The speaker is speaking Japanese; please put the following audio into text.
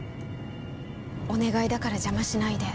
お願いだから邪魔しないで。